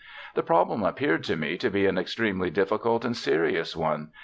"The problem appeared to me to be an extremely difficult and serious one.